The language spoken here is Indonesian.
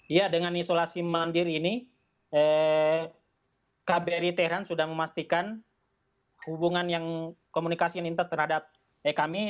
iya dengan isolasi mandiri ini kbri teheran sudah memastikan hubungan yang komunikasi yang lintas terhadap kami